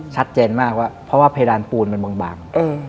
ชัดเจนมากว่าเพราะว่าเพดานปูนมันบาง